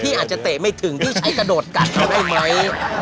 อาจจะเตะไม่ถึงพี่ใช้กระโดดกัดเอาได้ไหม